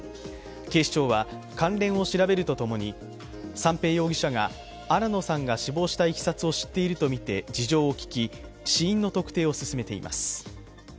警視庁は関連を調べると共に三瓶容疑者が新野さんが死亡したいきさつを知っているとみて事情を聞き死因の特定を進めています。